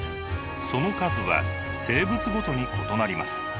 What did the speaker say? その数は生物ごとに異なります。